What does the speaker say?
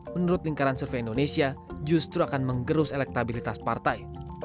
menurut lingkaran survei indonesia justru akan menggerus elektabilitas partai